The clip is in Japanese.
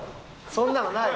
「そんなのない」？